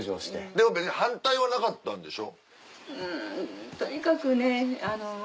でも別に反対はなかったんでしょ？